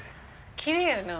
きれいやな。